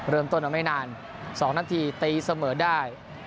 เริ่มต้นมาไม่นาน๒นาทีตีเสมอได้